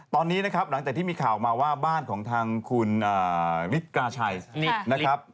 ตอนนี้นะครับหลังจากที่มีข่าวมาว่าบ้านของทางคุณมิตราชัยนะครับ